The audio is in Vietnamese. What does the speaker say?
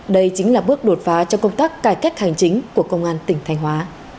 đây chính là bước đột phá trong công tác cải cách hành chính của công an tỉnh thanh hóa